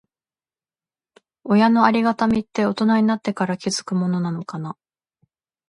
親のありがたみって、大人になってから気づくものなのかな。